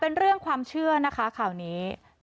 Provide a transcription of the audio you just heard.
เป็นเรื่องความเชื่อนะคะข่าวนี้